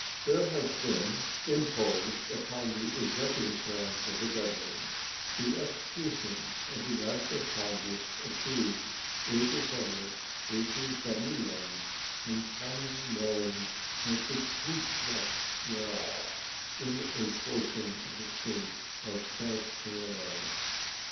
There has been imposed upon the executive branch of the Government the execution of the act of Congress approved April 20, 1871, and commonly known as the Kuklux law, in a portion of the State of South Carolina.